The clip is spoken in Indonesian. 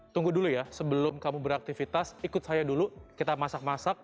tunggu dulu ya sebelum kamu beraktivitas ikut saya dulu kita masak masak